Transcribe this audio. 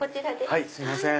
はいすいません。